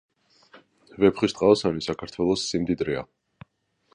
ვეფხისტყაოსანი საქართველოს სიმდიდრეა